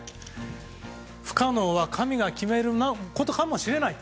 不可能は神が決めることかもしれない。